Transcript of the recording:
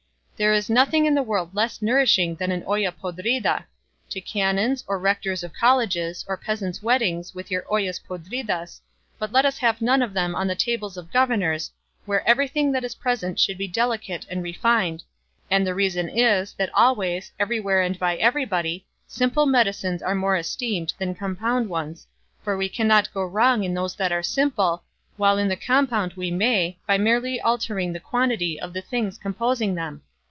There is nothing in the world less nourishing than an olla podrida; to canons, or rectors of colleges, or peasants' weddings with your ollas podridas, but let us have none of them on the tables of governors, where everything that is present should be delicate and refined; and the reason is, that always, everywhere and by everybody, simple medicines are more esteemed than compound ones, for we cannot go wrong in those that are simple, while in the compound we may, by merely altering the quantity of the things composing them.